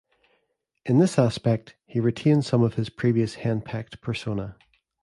In this aspect, he retains some of his previous hen-pecked persona.